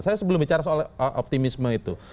saya sebelum bicara soal optimisme itu